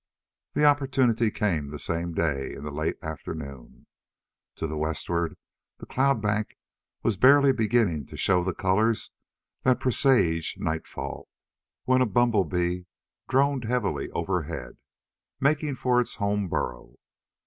The opportunity came that same day, in late afternoon. To westward the cloud bank was barely beginning to show the colors that presage nightfall, when a bumble bee droned heavily overhead, making for its home burrow.